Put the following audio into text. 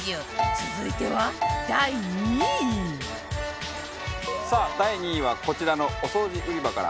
続いては第２位さあ第２位はこちらのお掃除売り場から。